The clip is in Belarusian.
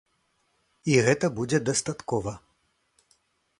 І гэта будзе дастаткова.